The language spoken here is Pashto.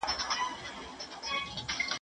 دا د ټولو ګډ کار دی.